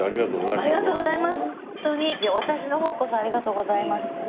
いや私の方こそありがとうございますです。